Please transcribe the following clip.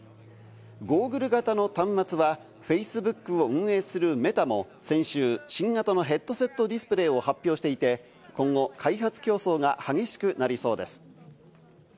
ゴーグル型の端末は、フェイスブックを運営するＭｅｔａも先週、新型のヘッドセットディスプレーを発表していて、今後、開発競争が激しくなりそうです。